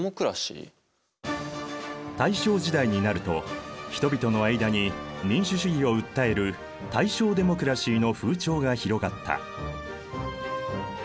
大正時代になると人々の間に民主主義を訴える大正デモクラシーの風潮が広がった。